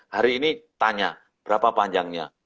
hari ini tanya berapa panjangnya